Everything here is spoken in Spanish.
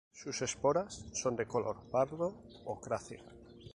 Sus esporas son de color pardo-ocráceo.